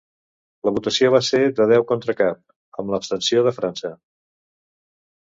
La votació va ser de deu contra cap, amb l'abstenció de França.